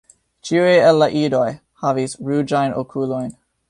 Ĉiuj el la idoj havis ruĝajn okulojn.